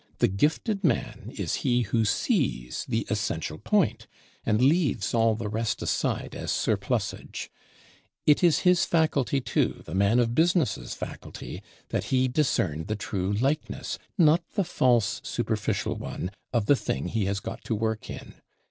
The gifted man is he who sees the essential point, and leaves all the rest aside as surplusage: it is his faculty too, the man of business's faculty, that he discern the true likeness, not the false superficial one, of the thing he has got to work in.